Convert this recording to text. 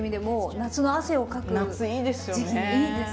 夏いいですよね。